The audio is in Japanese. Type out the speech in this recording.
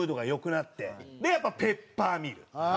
でやっぱペッパーミル。